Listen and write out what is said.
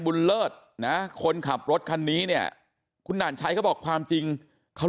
เลิศนะคนขับรถคันนี้เนี่ยคุณด่านชัยเขาบอกความจริงเขา